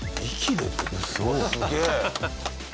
すげえ。